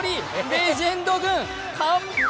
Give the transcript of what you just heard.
レジェンド軍、完敗！